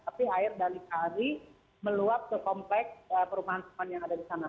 tapi air dari kari meluap ke komplek perumahan teman yang ada di sana